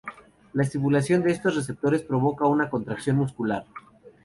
La estimulación de estos receptores provoca una contracción muscular.